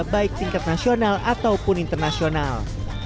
baik tingkat nasional ataupun internasional